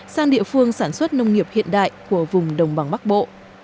sang địa phương sản xuất nông nghiệp hiện đại của vùng đồng bằng bắc bộ